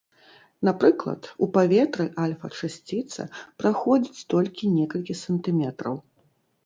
Напрыклад, у паветры альфа-часціца праходзіць толькі некалькі сантыметраў.